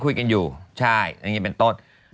คุยกันอยู่ใช่อันนี้เป็นต้น